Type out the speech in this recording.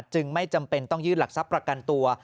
จึงไม่จำเป็นต้องยื่นหลักทรัพย์ประกันตัว